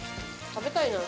食べたいな。